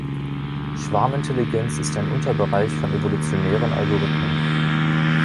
Schwarmintelligenz ist ein Unterbereich von evolutionären Algorithmen.